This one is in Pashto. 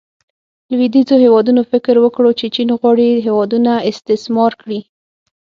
لویدیځو هیوادونو فکر وکړو چې چین غواړي هیوادونه استثمار کړي.